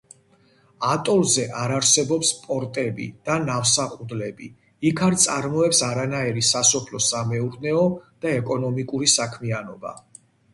ატოლზე არ არსებობს პორტები და ნავსაყუდლები, იქ არ წარმოებს არანაირი სასოფლო-სამეურნეო და ეკონომიკური საქმიანობა.